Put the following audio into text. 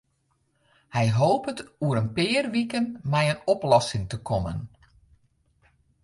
Hy hopet oer in pear wiken mei in oplossing te kommen.